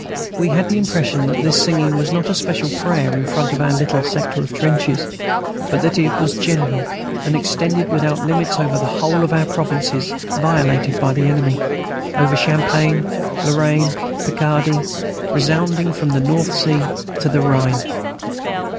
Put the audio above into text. We had the impression that this singing was not a special prayer in front of our little sector of trenches, but that it was general, and extended without limits over the whole of our provinces violated by the enemy: over Champagne, Lorraine, and Picardy, resounding from the North Sea to the Rhine.